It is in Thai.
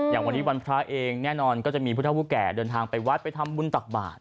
อย่างวันนี้วันพระเองแน่นอนก็จะมีผู้เท่าผู้แก่เดินทางไปวัดไปทำบุญตักบาท